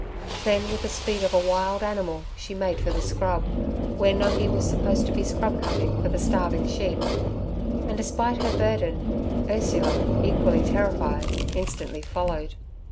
Then with the speed of a wild animal, she made for the scrub, where Nungi was supposed to be scrub cutting for the starving sheep; and, despite her burden, Ursula, equally terrified, instantly followed.